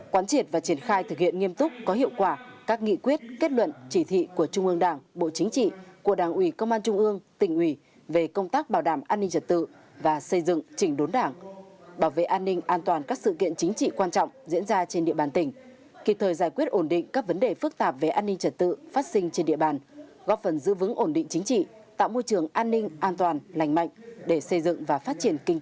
quản triển và triển khai thực hiện nghiêm túc có hiệu quả các nghị quyết kết luận chỉ thị của trung ương đảng bộ chính trị của đảng ủy công an trung ương tỉnh ủy về công tác bảo đảm an ninh trật tự và xây dựng chỉnh đốn đảng bảo vệ an ninh an toàn các sự kiện chính trị quan trọng diễn ra trên địa bàn tỉnh kịp thời giải quyết ổn định các vấn đề phức tạp về an ninh trật tự phát sinh trên địa bàn góp phần giữ vững ổn định chính trị tạo môi trường an ninh an toàn lành mạnh để xây dựng và phát triển k